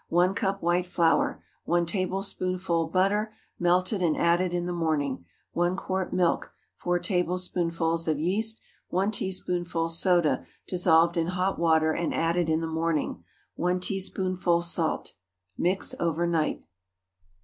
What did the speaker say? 1 cup white flour. 1 tablespoonful butter, melted and added in the morning. 1 quart milk. 4 tablespoonfuls of yeast. 1 teaspoonful soda, dissolved in hot water, and added in the morning. 1 teaspoonful salt. Mix over night.